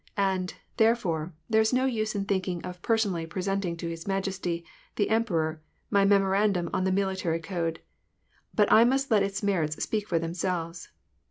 "And, therefore, there is no use in thinking of personally presenting to his majesty, the emperor, my memorandtlm on the military code ; but I must let its merits speak for themselves."